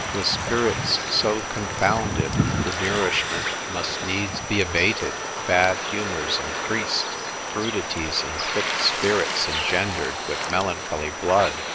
The spirits so confounded, the nourishment must needs be abated, bad humours increased, crudities and thick spirits engendered with melancholy blood.